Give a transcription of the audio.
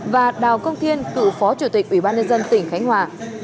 và đào công thiên cựu phó chủ tịch ủy ban nhân dân tỉnh khánh hòa